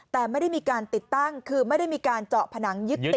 แต่ไม่ได้มีการติดตั้งคือไม่ได้มีการเจาะผนังยึดติด